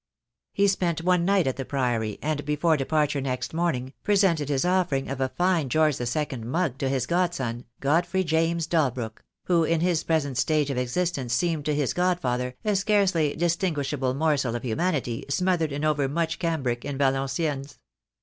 He spent one night at the Priory, and before depar ture next morning, presented his offering of a fine George the Second mug to his godson, Godfrey James Dalbrook 54 THE DAY WILL COME. — who in his present stage of existence seemed to his Godfather a scarcely distinguishable morsel of humanity smothered in over much cambric and Valenciennes.